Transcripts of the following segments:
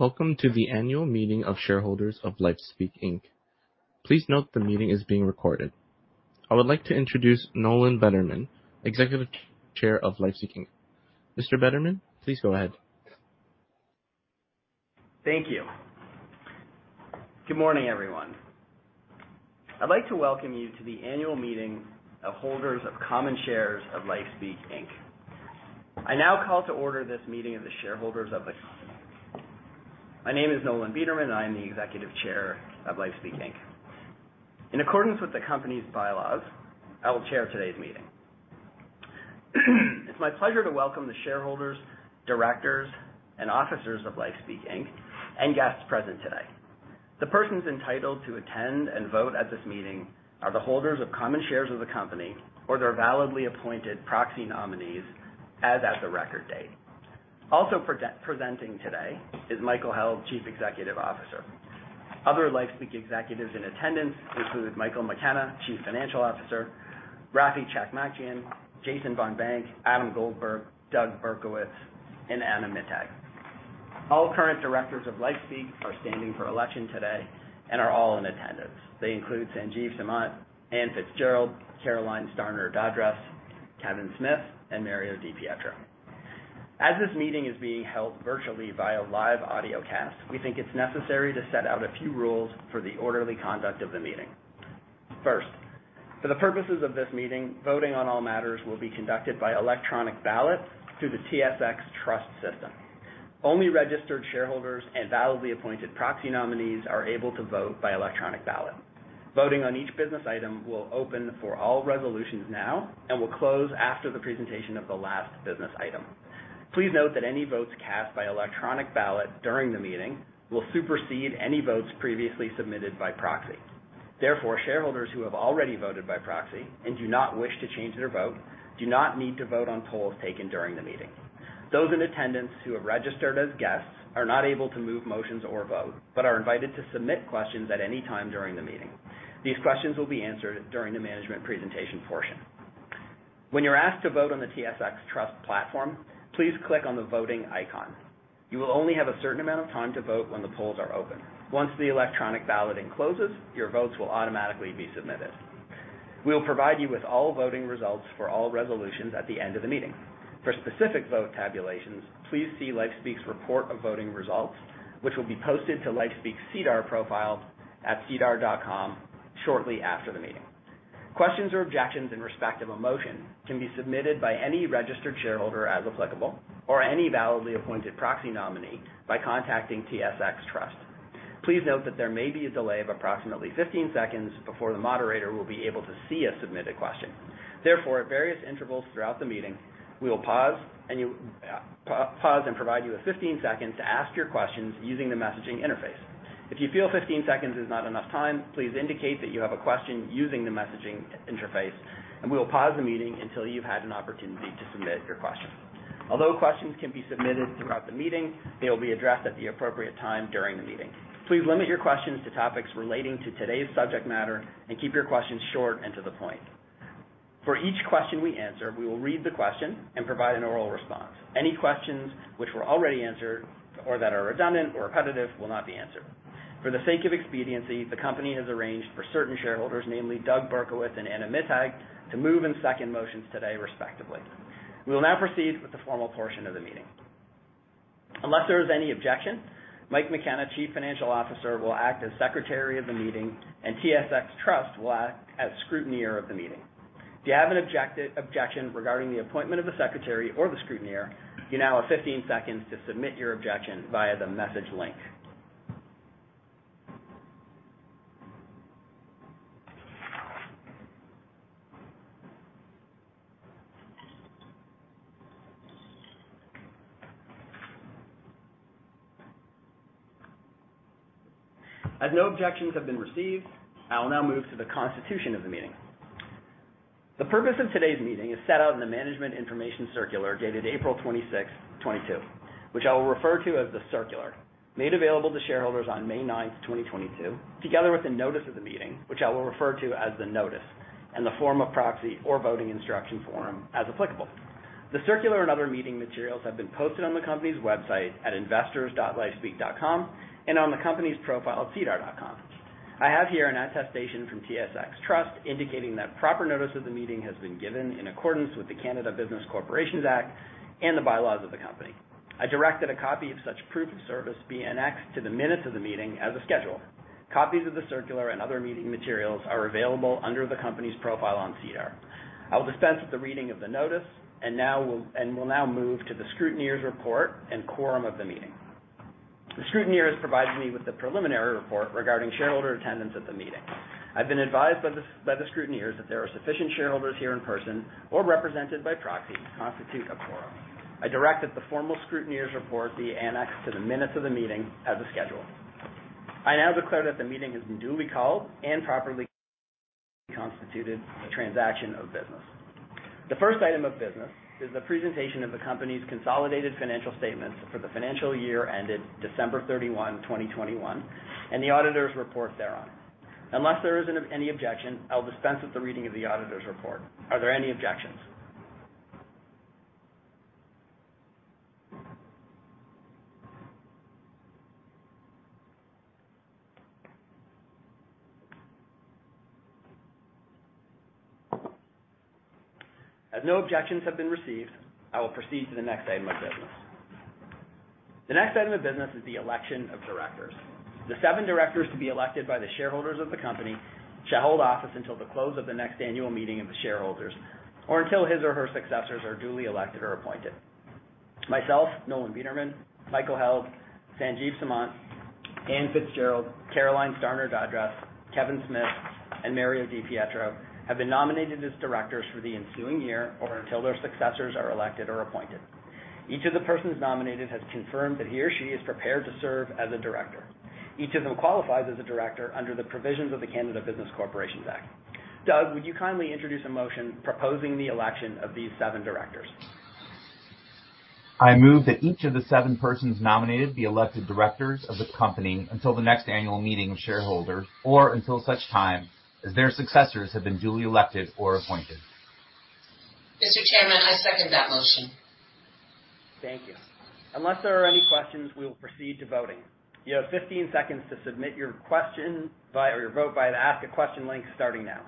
Welcome to the annual meeting of shareholders of LifeSpeak Inc. Please note the meeting is being recorded. I would like to introduce Nolan Bederman, Executive Chair of LifeSpeak Inc. Mr. Bederman, please go ahead. Thank you. Good morning, everyone. I'd like to welcome you to the annual meeting of holders of common shares of LifeSpeak Inc. I now call to order this meeting of the shareholders of LifeSpeak Inc. My name is Nolan Bederman, and I am the executive chair of LifeSpeak Inc. In accordance with the company's bylaws, I will chair today's meeting. It's my pleasure to welcome the shareholders, directors, and officers of LifeSpeak Inc., and guests present today. The persons entitled to attend and vote at this meeting are the holders of common shares of the company or their validly appointed proxy nominees as at the record date. Also presenting today is Michael Held, Chief Executive Officer. Other LifeSpeak executives in attendance include Michael McKenna, Chief Financial Officer, Raffi Tchakmakjian, Jason Von Bank, Adam Goldberg, Doug Berkowitz, and Anna Mittag. All current directors of LifeSpeak are standing for election today and are all in attendance. They include Sanjiv Samant, Anne Fitzgerald, Caroline Starner, Kevin Smith, and Mario Di Pietro. As this meeting is being held virtually via live audiocast, we think it's necessary to set out a few rules for the orderly conduct of the meeting. First, for the purposes of this meeting, voting on all matters will be conducted by electronic ballot through the TSX Trust system. Only registered shareholders and validly appointed proxy nominees are able to vote by electronic ballot. Voting on each business item will open for all resolutions now and will close after the presentation of the last business item. Please note that any votes cast by electronic ballot during the meeting will supersede any votes previously submitted by proxy. Therefore, shareholders who have already voted by proxy and do not wish to change their vote do not need to vote on polls taken during the meeting. Those in attendance who have registered as guests are not able to move motions or vote, but are invited to submit questions at any time during the meeting. These questions will be answered during the management presentation portion. When you're asked to vote on the TSX Trust platform, please click on the voting icon. You will only have a certain amount of time to vote when the polls are open. Once the electronic balloting closes, your votes will automatically be submitted. We will provide you with all voting results for all resolutions at the end of the meeting. For specific vote tabulations, please see LifeSpeak's report of voting results, which will be posted to LifeSpeak's SEDAR profile at sedar.com shortly after the meeting. Questions or objections in respect of a motion can be submitted by any registered shareholder as applicable, or any validly appointed proxy nominee by contacting TSX Trust. Please note that there may be a delay of approximately 15 seconds before the moderator will be able to see a submitted question. Therefore, at various intervals throughout the meeting, we will pause and provide you with 15 seconds to ask your questions using the messaging interface. If you feel 15 seconds is not enough time, please indicate that you have a question using the messaging interface, and we will pause the meeting until you've had an opportunity to submit your question. Although questions can be submitted throughout the meeting, they will be addressed at the appropriate time during the meeting. Please limit your questions to topics relating to today's subject matter and keep your questions short and to the point. For each question we answer, we will read the question and provide an oral response. Any questions which were already answered or that are redundant or repetitive will not be answered. For the sake of expediency, the company has arranged for certain shareholders, namely Doug Berkowitz and Anna Mittag, to move and second motions today, respectively. We will now proceed with the formal portion of the meeting. Unless there is any objection, Mike McKenna, Chief Financial Officer, will act as Secretary of the meeting, and TSX Trust will act as Scrutineer of the meeting. If you have an objection regarding the appointment of the Secretary or the Scrutineer, you now have 15 seconds to submit your objection via the message link. No objections have been received, I will now move to the constitution of the meeting. The purpose of today's meeting is set out in the Management Information Circular dated April 26th, 2022, which I will refer to as the Circular, made available to shareholders on May 9th, 2022, together with the notice of the meeting, which I will refer to as the Notice, and the form of proxy or voting instruction form as applicable. The circular and other meeting materials have been posted on the company's website at investors.lifespeak.com and on the company's profile at SEDAR.com. I have here an attestation from TSX Trust indicating that proper notice of the meeting has been given in accordance with the Canada Business Corporations Act and the bylaws of the company. I direct that a copy of such proof of service be annexed to the minutes of the meeting as a schedule. Copies of the circular and other meeting materials are available under the company's profile on SEDAR. I will dispense with the reading of the notice and will now move to the scrutineer's report and quorum of the meeting. The scrutineer has provided me with the preliminary report regarding shareholder attendance at the meeting. I've been advised by the scrutineers that there are sufficient shareholders here in person or represented by proxy to constitute a quorum. I direct that the formal scrutineer's report be annexed to the minutes of the meeting as a schedule. I now declare that the meeting is duly called and properly constituted for the transaction of business. The first item of business is the presentation of the company's consolidated financial statements for the financial year ended December 31, 2021, and the auditor's report thereon. Unless there is any objection, I'll dispense with the reading of the auditor's report. Are there any objections? As no objections have been received, I will proceed to the next item of business. The next item of business is the election of directors. The seven directors to be elected by the shareholders of the company shall hold office until the close of the next annual meeting of the shareholders, or until his or her successors are duly elected or appointed. Myself, Nolan Bederman, Michael Held, Sanjiv Samant, Anne Fitzgerald, Caroline Starner, Kevin Smith, and Mario DiPietro have been nominated as directors for the ensuing year or until their successors are elected or appointed. Each of the persons nominated has confirmed that he or she is prepared to serve as a director. Each of them qualifies as a director under the provisions of the Canada Business Corporations Act. Doug, would you kindly introduce a motion proposing the election of these seven directors? I move that each of the seven persons nominated be elected directors of the company until the next annual meeting of shareholders, or until such time as their successors have been duly elected or appointed. Mr. Chairman, I second that motion. Thank you. Unless there are any questions, we will proceed to voting. You have 15 seconds to submit your question or your vote by the ask a question link starting now.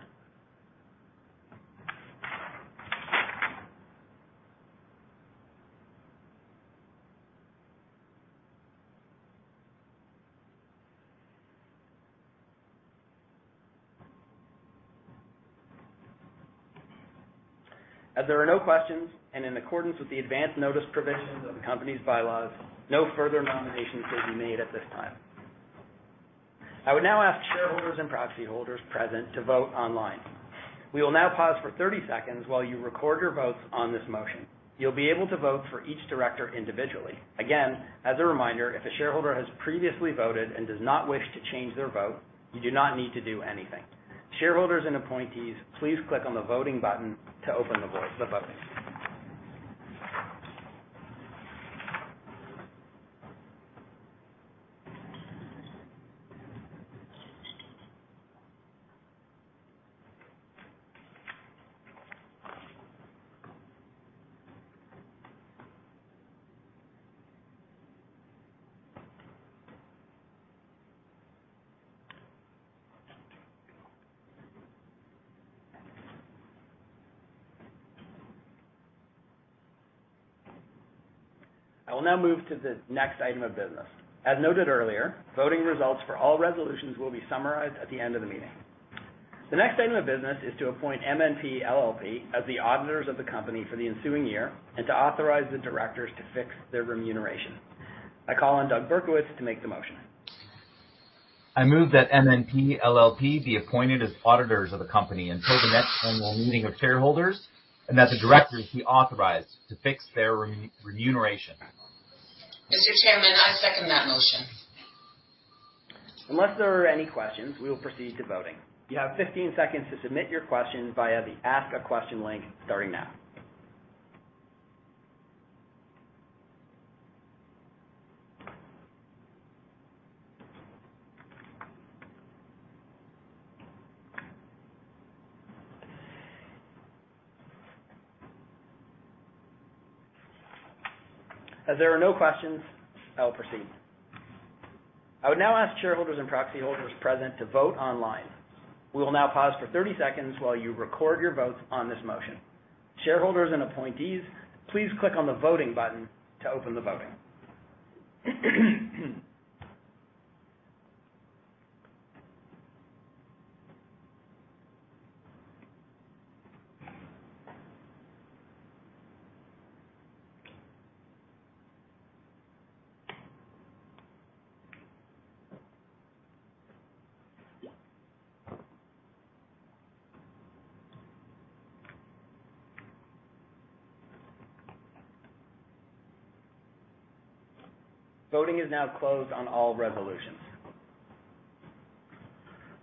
As there are no questions, and in accordance with the advance notice provisions of the company's bylaws, no further nominations will be made at this time. I would now ask shareholders and proxy holders present to vote online. We will now pause for 30 seconds while you record your votes on this motion. You'll be able to vote for each director individually. Again, as a reminder, if a shareholder has previously voted and does not wish to change their vote, you do not need to do anything. Shareholders and appointees, please click on the voting button to open the voting. I will now move to the next item of business. As noted earlier, voting results for all resolutions will be summarized at the end of the meeting. The next item of business is to appoint MNP LLP as the auditors of the company for the ensuing year and to authorize the directors to fix their remuneration. I call on Doug Berkowitz to make the motion. I move that MNP LLP be appointed as auditors of the company until the next annual meeting of shareholders, and that the directors be authorized to fix their remuneration. Mr. Chairman, I second that motion. Unless there are any questions, we will proceed to voting. You have 15 seconds to submit your questions via the ask a question link, starting now. As there are no questions, I will proceed. I would now ask shareholders and proxy holders present to vote online. We will now pause for 30 seconds while you record your votes on this motion. Shareholders and appointees, please click on the voting button to open the voting. Voting is now closed on all resolutions.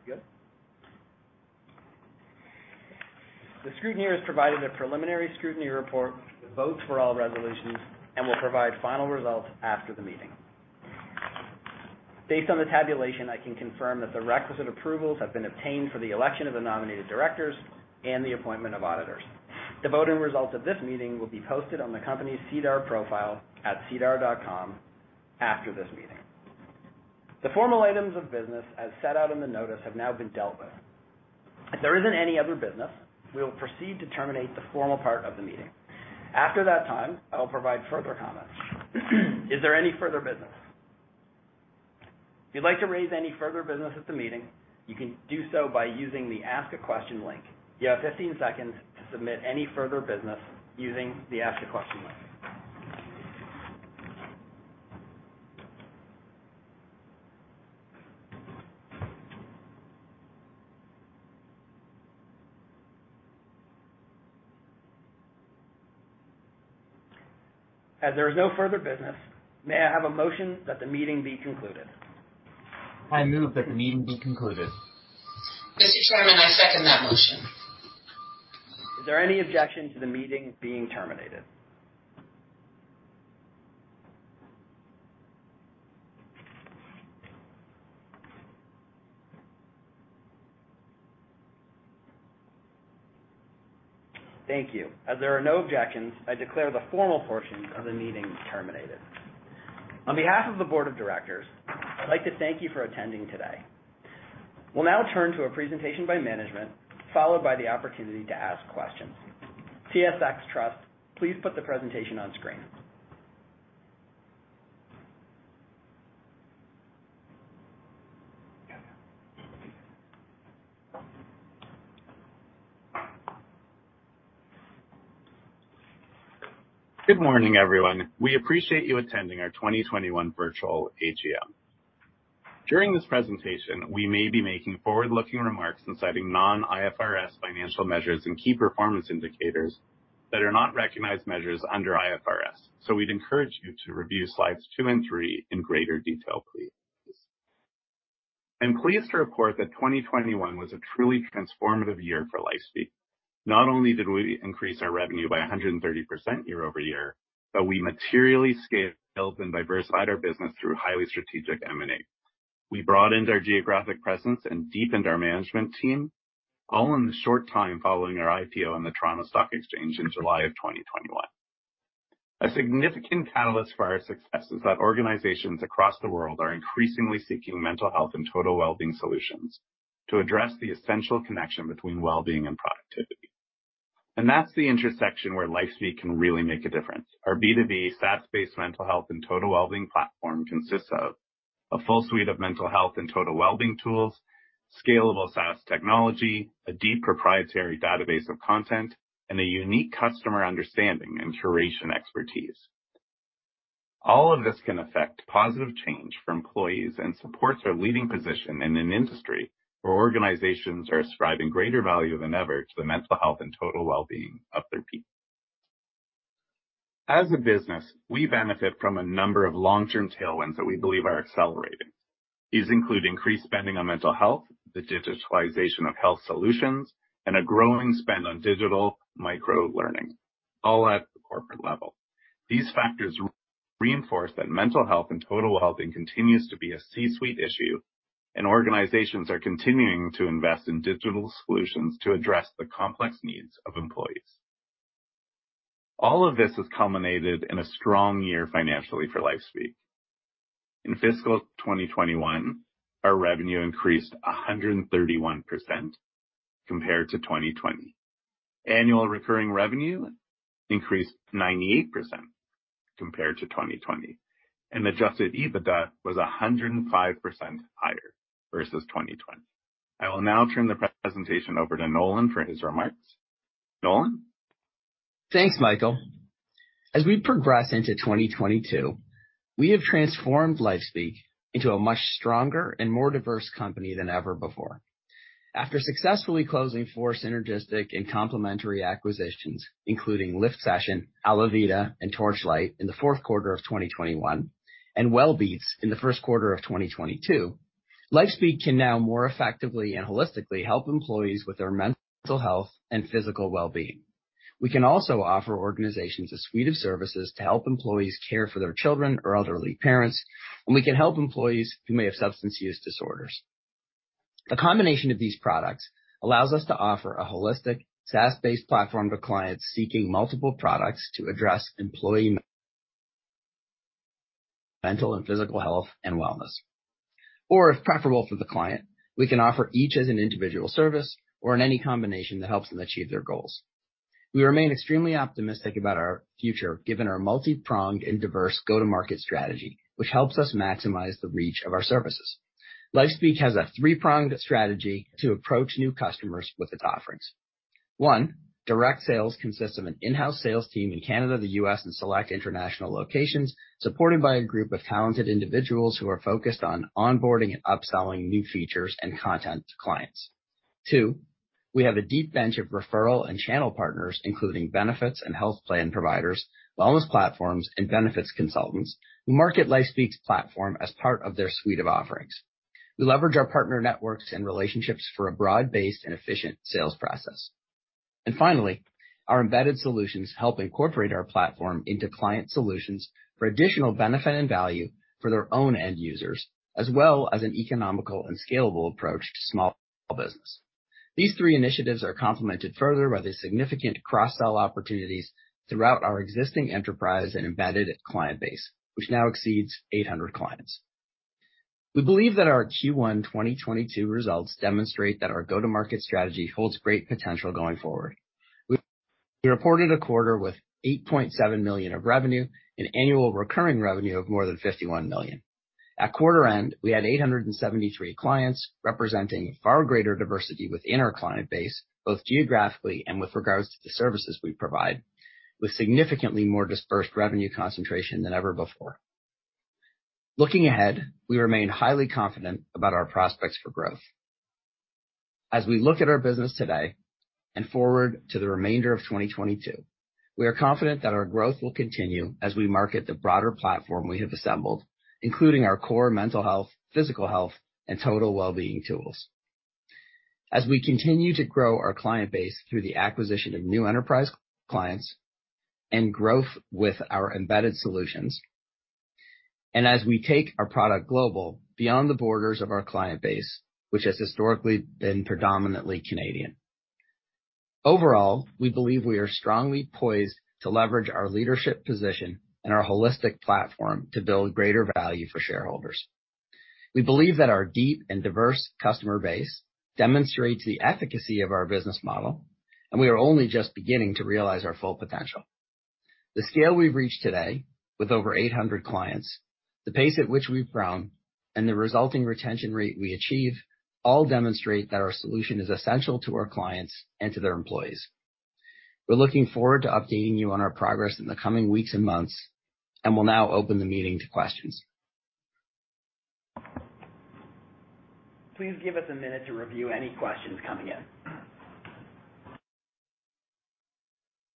Good. The scrutineer has provided a preliminary scrutiny report with votes for all resolutions and will provide final results after the meeting. Based on the tabulation, I can confirm that the requisite approvals have been obtained for the election of the nominated directors and the appointment of auditors. The voting results of this meeting will be posted on the company's SEDAR profile at SEDAR.com after this meeting. The formal items of business as set out in the notice have now been dealt with. If there isn't any other business, we will proceed to terminate the formal part of the meeting. After that time, I will provide further comments. Is there any further business? If you'd like to raise any further business at the meeting, you can do so by using the ask a question link. You have 15 seconds to submit any further business using the ask a question link. As there is no further business, may I have a motion that the meeting be concluded? I move that the meeting be concluded. Mr. Chairman, I second that motion. Is there any objection to the meeting being terminated? Thank you. As there are no objections, I declare the formal portion of the meeting terminated. On behalf of the board of directors, I'd like to thank you for attending today. We'll now turn to a presentation by management, followed by the opportunity to ask questions. TSX Trust, please put the presentation on screen. Good morning, everyone. We appreciate you attending our 2021 virtual AGM. During this presentation, we may be making forward-looking remarks and citing non-IFRS financial measures and key performance indicators that are not recognized measures under IFRS. We'd encourage you to review slides two and three in greater detail, please. I'm pleased to report that 2021 was a truly transformative year for LifeSpeak. Not only did we increase our revenue by 130% year-over-year, but we materially scaled and diversified our business through highly strategic M&A. We broadened our geographic presence and deepened our management team, all in the short time following our IPO on the Toronto Stock Exchange in July 2021. A significant catalyst for our success is that organizations across the world are increasingly seeking mental health and total wellbeing solutions to address the essential connection between wellbeing and productivity. That's the intersection where LifeSpeak can really make a difference. Our B2B SaaS-based mental health and total wellbeing platform consists of a full suite of mental health and total wellbeing tools, scalable SaaS technology, a deep proprietary database of content, and a unique customer understanding and curation expertise. All of this can affect positive change for employees and supports our leading position in an industry where organizations are ascribing greater value than ever to the mental health and total wellbeing of their people. As a business, we benefit from a number of long-term tailwinds that we believe are accelerating. These include increased spending on mental health, the digitalization of health solutions, and a growing spend on digital micro-learning, all at the corporate level. These factors reinforce that mental health and total wellbeing continues to be a C-suite issue, and organizations are continuing to invest in digital solutions to address the complex needs of employees. All of this has culminated in a strong year financially for LifeSpeak. In fiscal 2021, our revenue increased 131% compared to 2020. Annual recurring revenue increased 98% compared to 2020, and adjusted EBITDA was 105% higher versus 2020. I will now turn the presentation over to Nolan for his remarks. Nolan. Thanks, Michael. As we progress into 2022, we have transformed LifeSpeak into a much stronger and more diverse company than ever before. After successfully closing four synergistic and complementary acquisitions, including LIFT Session, ALAViDA, and Torchlight in the Q4 of 2021, and Wellbeats in the Q1 of 2022, LifeSpeak can now more effectively and holistically help employees with their mental health and physical well-being. We can also offer organizations a suite of services to help employees care for their children or elderly parents, and we can help employees who may have substance use disorders. The combination of these products allows us to offer a holistic, SaaS-based platform to clients seeking multiple products to address employee mental and physical health and wellness. If preferable for the client, we can offer each as an individual service or in any combination that helps them achieve their goals. We remain extremely optimistic about our future, given our multi-pronged and diverse go-to-market strategy, which helps us maximize the reach of our services. LifeSpeak has a three-pronged strategy to approach new customers with its offerings. One, direct sales consists of an in-house sales team in Canada, the U.S., and select international locations, supported by a group of talented individuals who are focused on onboarding and upselling new features and content to clients. Two, we have a deep bench of referral and channel partners, including benefits and health plan providers, wellness platforms, and benefits consultants who market LifeSpeak's platform as part of their suite of offerings. We leverage our partner networks and relationships for a broad-based and efficient sales process. Finally, our embedded solutions help incorporate our platform into client solutions for additional benefit and value for their own end users, as well as an economical and scalable approach to small business. These three initiatives are complemented further by the significant cross-sell opportunities throughout our existing enterprise and embedded client base, which now exceeds 800 clients. We believe that our Q1 2022 results demonstrate that our go-to-market strategy holds great potential going forward. We reported a quarter with 8.7 million of revenue and annual recurring revenue of more than 51 million. At quarter end, we had 873 clients, representing a far greater diversity within our client base, both geographically and with regards to the services we provide, with significantly more dispersed revenue concentration than ever before. Looking ahead, we remain highly confident about our prospects for growth. As we look at our business today and forward to the remainder of 2022, we are confident that our growth will continue as we market the broader platform we have assembled, including our core mental health, physical health, and total wellbeing tools. As we continue to grow our client base through the acquisition of new enterprise clients and growth with our embedded solutions, and as we take our product global beyond the borders of our client base, which has historically been predominantly Canadian, overall we believe we are strongly poised to leverage our leadership position and our holistic platform to build greater value for shareholders. We believe that our deep and diverse customer base demonstrates the efficacy of our business model, and we are only just beginning to realize our full potential. The scale we've reached today with over 800 clients, the pace at which we've grown, and the resulting retention rate we achieve, all demonstrate that our solution is essential to our clients and to their employees. We're looking forward to updating you on our progress in the coming weeks and months, and we'll now open the meeting to questions. Please give us a minute to review any questions coming in.